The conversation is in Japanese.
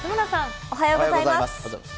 おはようございます。